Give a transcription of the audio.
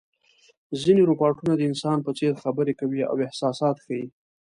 ځینې روباټونه د انسان په څېر خبرې کوي او احساسات ښيي.